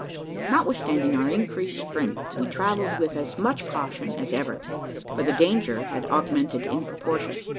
Notwithstanding our increased strength, we travelled with as much caution as ever: for the danger had augmented in proportion.